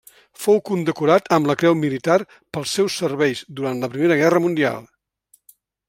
Fou condecorat amb la Creu Militar pels seus serveis durant la Primera Guerra Mundial.